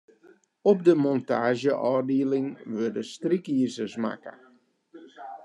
Op de montaazjeôfdieling wurde strykizers makke.